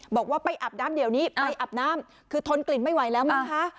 บอกว่าไปอาบน้ำเดี๋ยวนี้ไปอาบน้ำคือทนกลิ่นไม่ไหวแล้วมั้งคะ